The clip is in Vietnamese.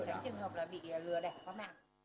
tránh trường hợp bị lừa đẻ có mạng